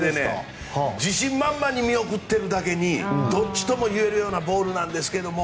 自信満々に見送っているだけにどっちともいえるようなボールなんですが。